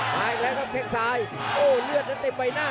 แทงซ้ายโอ้เลือดเต็มไปหน้า